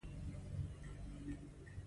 پر بیت المقدس حمله وکړه.